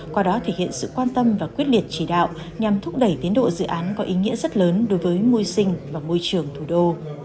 qua đó thể hiện sự quan tâm và quyết liệt chỉ đạo nhằm thúc đẩy tiến độ dự án có ý nghĩa rất lớn đối với môi sinh và môi trường thủ đô